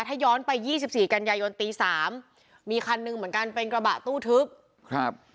ถ้าย้อนไปยี่สิบสี่กันยายนตีสามมีคันหนึ่งเหมือนกันเป็นกระบะตู้ทึบครับ